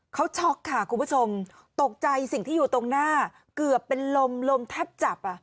เขาช็อกค่ะคุณผู้ชมตกใจสิ่งที่อยู่ตรงหน้าเกือบเป็นลมลมแทบจับอ่ะ